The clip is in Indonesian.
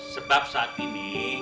sebab saat ini